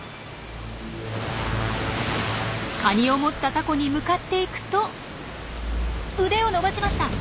カニを持ったタコに向かっていくと腕を伸ばしました！